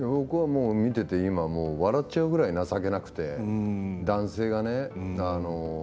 見ていて笑っちゃうぐらい情けなくて、男性がね。